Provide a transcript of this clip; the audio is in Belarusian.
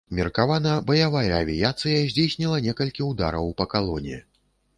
Меркавана, баявая авіяцыя здзейсніла некалькі удараў па калоне.